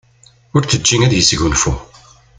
Ur t-teǧǧi ad yesgunfu.